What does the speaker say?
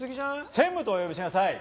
専務とお呼びしなさい！